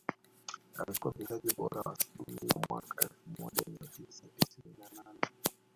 Alikuwa mchezaji bora wa dunia mwaka elfu moja mia tisa tisini na nane